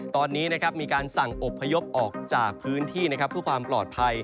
ตอนนี้มีการสั่งอบพยพออกจากพื้นที่เพื่อความปลอดภัย